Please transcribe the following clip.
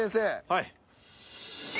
はい。